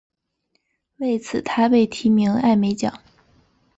为此他被提名艾美奖。